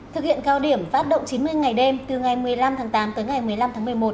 thực hiện cao điểm phát động chín mươi ngày đêm từ ngày một mươi năm tháng tám tới ngày một mươi năm tháng một mươi một